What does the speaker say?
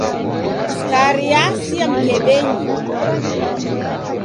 Skari yasia mkebenyi.